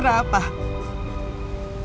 antara ibu dan diriku